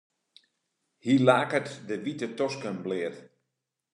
Hy laket de wite tosken bleat.